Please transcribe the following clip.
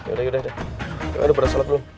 udah udah udah udah berada shalat belum